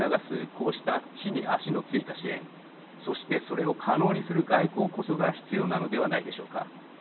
こうした地に足のついた支援そして、それを可能にする外交こそが必要なのではないでしょうか。